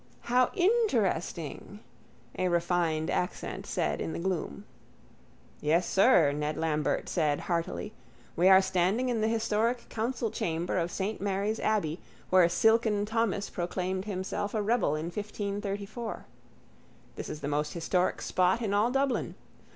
—How interesting! a refined accent said in the gloom. —Yes, sir, Ned Lambert said heartily. We are standing in the historic council chamber of saint Mary's abbey where silken Thomas proclaimed himself a rebel in 1534. This is the most historic spot in all Dublin.